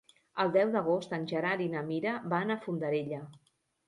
El deu d'agost en Gerard i na Mira van a Fondarella.